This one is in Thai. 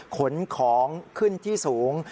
ขนของขึ้นที่สูง